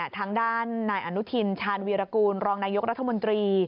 ทางด้านนายอนุทินชาญวีรกูลรองนายกรัฐมนตรี